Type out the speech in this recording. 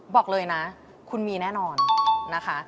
บอกเลยนะคุณมีแน่นอนนะคะ